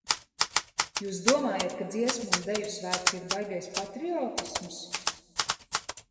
Jūs domājat, ka Dziesmu un Deju svētki ir baigais patriotisms?